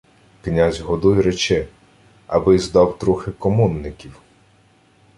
— Князь Годой рече, аби-с дав трохи комонників!